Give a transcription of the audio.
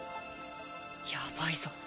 やばいぞ。